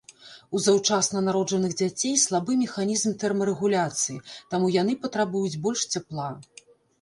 У заўчасна народжаных дзяцей слабы механізм тэрмарэгуляцыі, таму яны патрабуюць больш цяпла.